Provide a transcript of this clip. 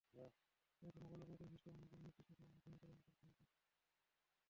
অবশ্য, mobile operating system আনার জন্য নির্দিষ্ট সময় নির্ধারণ করেনি প্রতিষ্ঠানটি।